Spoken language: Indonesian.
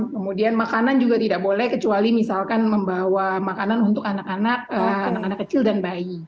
kemudian makanan juga tidak boleh kecuali misalkan membawa makanan untuk anak anak kecil dan bayi